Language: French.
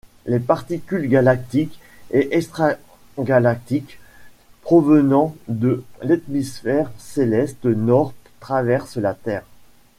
Les particules galactiques et extragalactiques, provenant de l'hémisphère céleste nord, traversent la Terre.